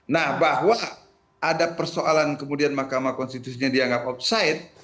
nah bahwa ada persoalan kemudian mk dianggap off side